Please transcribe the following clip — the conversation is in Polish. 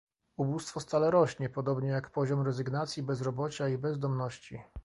Ubóstwo stale rośnie, podobnie jak poziom rezygnacji, bezrobocia i bezdomności